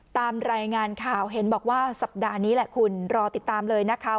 ตามรายงานข่าวเห็นบอกว่าสัปดาห์นี้แหละคุณรอติดตามเลยนะคะ